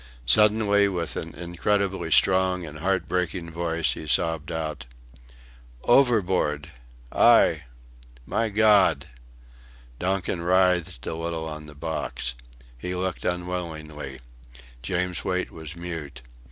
Suddenly with an incredibly strong and heartbreaking voice he sobbed out: "Overboard!... I!... My God!" Donkin writhed a little on the box. He looked unwillingly. James Wait was mute.